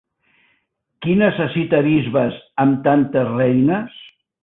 Qui necessita bisbes amb tantes reines?